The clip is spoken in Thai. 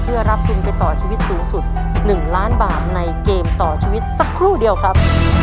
เพื่อรับทุนไปต่อชีวิตสูงสุด๑ล้านบาทในเกมต่อชีวิตสักครู่เดียวครับ